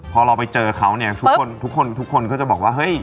พอเราไปเจอเค้าทุกคนก็จะบอกว่า